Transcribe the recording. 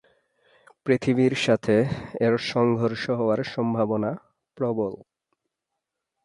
পৃথিবীর সাথে এর সংঘর্ষ হওয়ার সম্ভাবনা প্রবল।